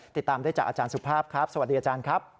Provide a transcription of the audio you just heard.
ติดตามได้จากอาจารย์สุภาพครับสวัสดีอาจารย์ครับ